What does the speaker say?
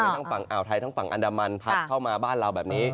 ทั้งฝั่งอ่าวไทยทั้งฝั่งอันดามันพัดเข้ามาบ้านเราแบบนี้